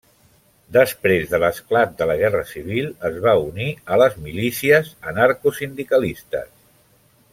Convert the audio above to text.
Després de l'esclat de la Guerra Civil es va unir a les milícies anarcosindicalistes.